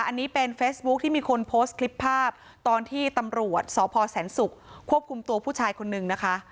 อันนี้เป็นเฟซบุ๊คที่มีคนโพสต์คลิปภาพตอนที่ตำรวจสพแสนศุกร์ควบคุมตัวผู้ชายคนนึงนะคะ